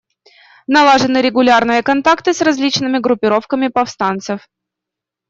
Налажены регулярные контакты с различными группировками повстанцев.